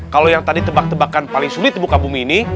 kalau yang tadi tebak tebakan paling sulit di buka bumi ini